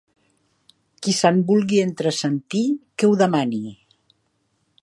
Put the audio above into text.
Qui se'n vulgui entresentir, que ho demani.